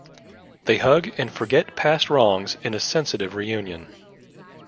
They hug and forget past wrongs in a sensitive reunion.